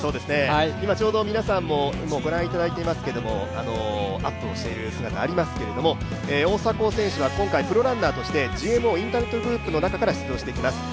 今ちょうど皆さんもご覧いただいていますけれども、アップをしている姿ありますけれども、大迫選手は今回プロランナーとしてＧＭＯインターネットグループの中から出場してきます。